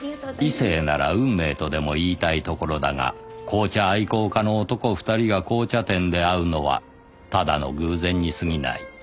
異性なら運命とでも言いたいところだが紅茶愛好家の男２人が紅茶店で会うのはただの偶然に過ぎない